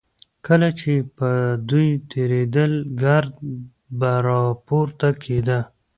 کله چې به دوی تېرېدل ګرد به راپورته کېده.